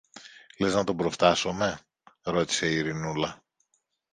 Λες να τον προφθάσομε; ρώτησε η Ειρηνούλα.